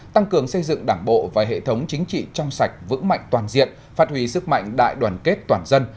tăng cường xây dựng đảng bộ và hệ thống chính trị trong sạch vững mạnh toàn diện phát huy sức mạnh đại đoàn kết toàn dân